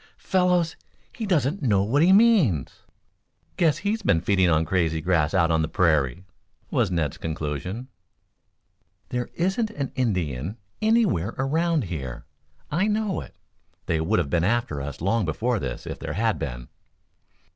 "Fellows, he doesn't know what he means." "Guess he's been feeding on crazy grass out on the prairie," was Ned's conclusion. "There isn't an Indian anywhere around here. I know it. They would have been after us long before this, if there had been."